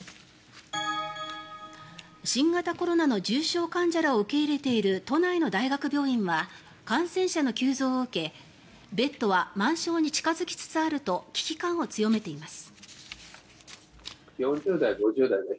新型コロナの重症患者らを受け入れている都内の大学病院は感染者の急増を受けベッドは満床に近付きつつあると危機感を強めています。